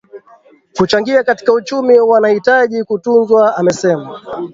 kuchangia katika uchumi wanahitaji kutunzwa Amesema